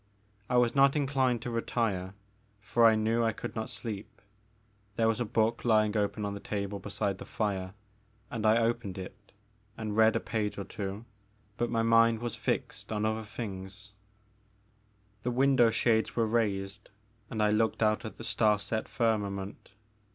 I was not inclined to retire for I knew I could not sleep. There was a book lying open on the table beside the fire and I opened it and read a page or two, but my mind was fixed on other things. The Maker of Moans. 65 The window shades were raised and I looked out at the star set firmament.